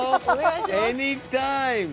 エニータイム！